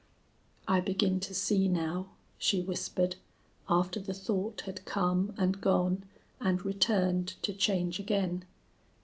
"I begin to see now," she whispered, after the thought had come and gone and returned to change again.